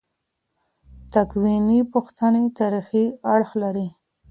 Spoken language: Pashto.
تکویني پوښتنې تاریخي اړخ لري.